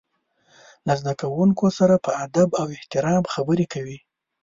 له زده کوونکو سره په ادب او احترام خبرې کوي.